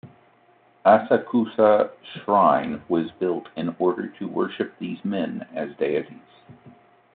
Asakusa Shrine was built in order to worship these men as deities.